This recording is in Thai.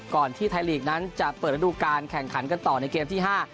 ที่ไทยลีกนั้นจะเปิดระดูการแข่งขันกันต่อในเกมที่ห้า